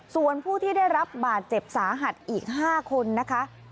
ส่วนผู้ที่ได้รับบาดเจ็บสาหัสอีก๕คนนะคะ